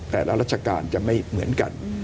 แต่ละรัชกาลจะไม่เหมือนกัน